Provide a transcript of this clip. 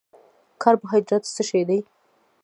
کاربوهایډریټ څه شی دی؟